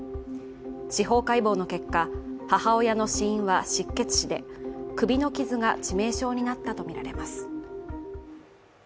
司法解剖の結果、母親の死因は失血死で首の傷が致命傷になったとみられます。